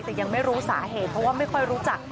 แต่ยังไม่รู้สาเหตุเพราะว่าไม่ค่อยรู้จัก